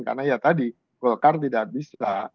karena ya tadi golkar tidak bisa